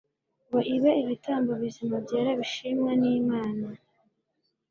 «ngo ibe ibitambo bizima byera bishimwa n'Iman?»